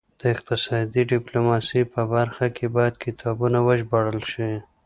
د اقتصادي ډیپلوماسي په برخه کې باید کتابونه وژباړل شي